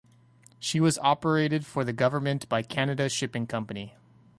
She was operated for the Government by Canada Shipping Company.